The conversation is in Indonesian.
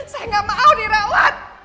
saya nggak mau dirawat